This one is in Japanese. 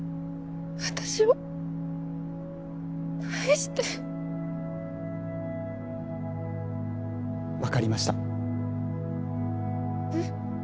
私を愛して分かりましたえっ？